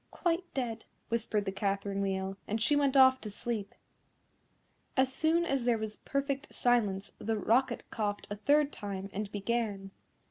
"Quite dead," whispered the Catherine Wheel, and she went off to sleep. As soon as there was perfect silence, the Rocket coughed a third time and began.